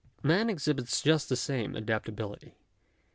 Man exhibits just the same adaptability.